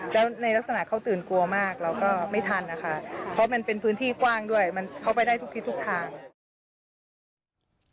แล้วในลักษณะเขาตื่นกลัวมากเราก็ไม่ทันนะคะเพราะมันเป็นพื้นที่กว้างด้วยมันเข้าไปได้ทุกทิศทุกทาง